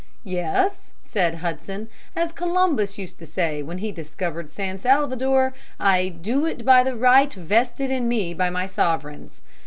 "Yes," said Hudson. "As Columbus used to say when he discovered San Salvador, 'I do it by the right vested in me by my sovereigns.'